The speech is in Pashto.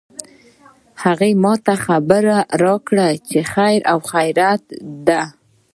هغې ما ته خبر راکړ چې خیر او خیریت ده